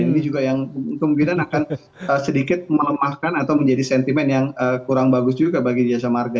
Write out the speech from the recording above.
ini juga yang kemungkinan akan sedikit melemahkan atau menjadi sentimen yang kurang bagus juga bagi jasa marga